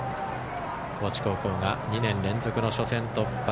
高知高校が２年連続の初戦突破。